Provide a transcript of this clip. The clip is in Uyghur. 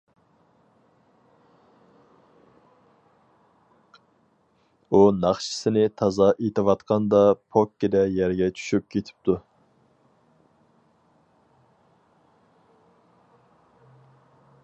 ئۇ ناخشىسىنى تازا ئېيتىۋاتقاندا، پوككىدە يەرگە چۈشۈپ كېتىپتۇ.